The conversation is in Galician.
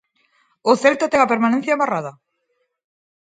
O Celta ten a permanencia amarrada.